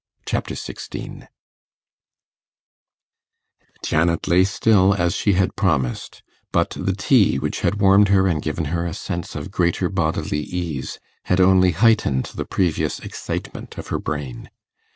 Chapter 16 Janet lay still, as she had promised; but the tea, which had warmed her and given her a sense of greater bodily ease, had only heightened the previous excitement of her brain.